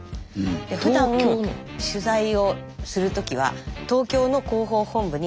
でふだん取材をする時は東京の広報本部に。